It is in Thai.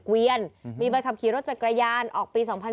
เวียนเมย์แบบเข้าขี่รถจากกระยานออกปีสองพัน